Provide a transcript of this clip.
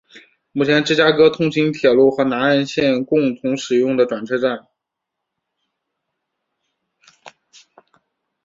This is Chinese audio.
目前为芝加哥通勤铁路和南岸线共同使用的转车站。